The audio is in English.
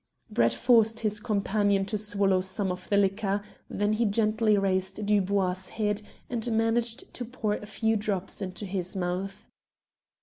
Brett forced his companion to swallow some of the liquor; then he gently raised Dubois' head and managed to pour a few drops into his mouth.